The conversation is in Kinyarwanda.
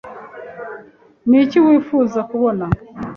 ni iki wifuza kubona